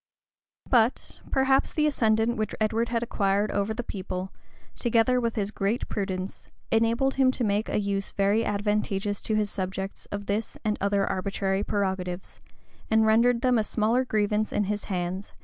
But, perhaps, the ascendant which Edward had acquired over the people, together with his great prudence, enabled him to make a use very advantageous to his subjects of this and other arbitrary prerogatives, and rendered them a smaller grievance in his hands, than a less absolute authority in those of his grand son.